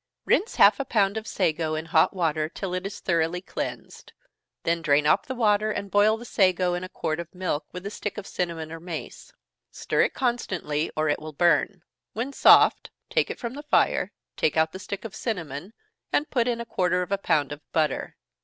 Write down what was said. _ Rinse half a pound of sago in hot water, till it is thoroughly cleansed then drain off the water, and boil the sago in a quart of milk, with a stick of cinnamon or mace. Stir it constantly, or it will burn. When soft, take it from the fire, take out the stick of cinnamon, and put in a quarter of a pound of butter.